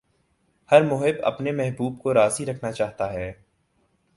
ہر محب اپنے محبوب کو راضی رکھنا چاہتا ہے۔